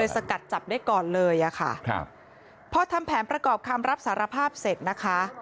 สกัดจับได้ก่อนเลยอ่ะค่ะครับพอทำแผนประกอบคำรับสารภาพเสร็จนะคะ